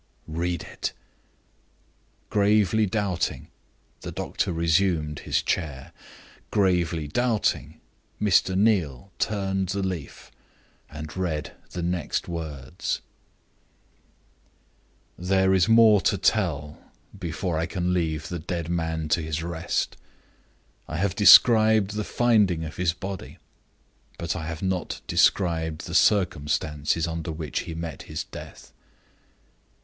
"Read it." Gravely doubting, the doctor resumed his chair. Gravely doubting, Mr. Neal turned the leaf, and read the next words: "There is more to tell before I can leave the dead man to his rest. I have described the finding of his body. But I have not described the circumstances under which he met his death.